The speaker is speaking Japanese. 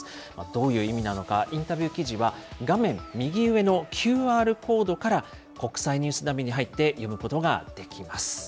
どういう意味なのか、インタビュー記事は画面右上のＱＲコードから国際ニュースナビに入って読むことができます。